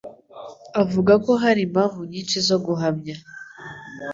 avuga ko hari impamvu nyinshi zo guhamya